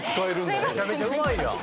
めちゃめちゃうまいやん。